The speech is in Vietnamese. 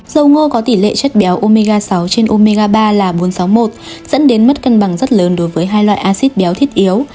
dầu ngô có tỷ lệ chất béo omiga sáu trên omiga ba là bốn trăm sáu mươi một dẫn đến mất cân bằng rất lớn đối với hai loại acid béo thiết yếu